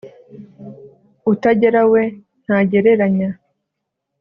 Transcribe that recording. utagera we ntagereranya